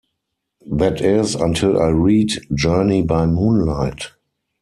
That is, until I read "Journey by Moonlight".